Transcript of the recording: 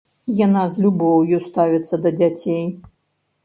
Яна з любоўю ставіцца да дзяцей.